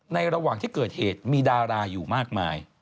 ระหว่างที่เกิดเหตุมีดาราอยู่มากมาย